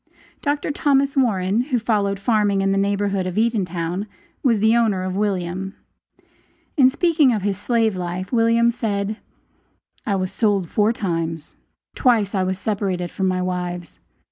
Dr. Thomas Warren, who followed farming in the neighborhood of Eatontown, was the owner of William. In speaking of his slave life William said: "I was sold four times; twice I was separated from my wives.